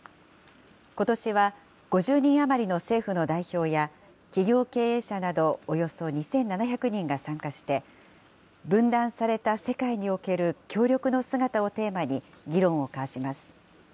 ことしは５０人余りの政府の代表や、企業経営者などおよそ２７００人が参加して、分断された世界における協力の姿をテーマに、議論を交わします。